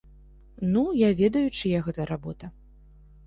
Ну, я ведаю, чыя гэта работа.